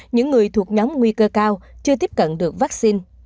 những người thuộc nhóm nguy cơ cao chưa tiếp cận được vaccine